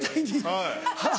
はい。